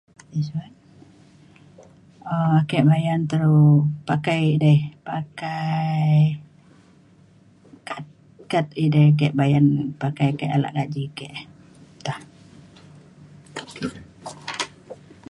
um ake layan through pakai edei pakai kad kad edei ake bayan pakai kad ala gaji ke [unintelligible]